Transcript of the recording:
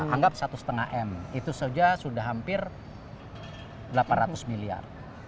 anggap satu lima m itu saja sudah hampir delapan ratus miliar